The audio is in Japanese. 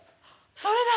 それだ！